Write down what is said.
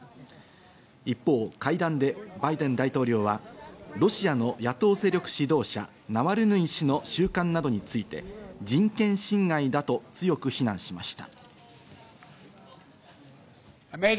一方、会談でバイデン大統領は、ロシアの野党勢力指導者、ナワリヌイ氏の収監などについて人権侵害だと強く非難しました。